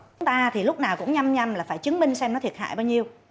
chúng ta thì lúc nào cũng nhầm nhầm là phải chứng minh xem nó thiệt hại bao nhiêu